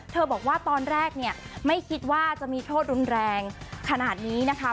บอกว่าตอนแรกเนี่ยไม่คิดว่าจะมีโทษรุนแรงขนาดนี้นะคะ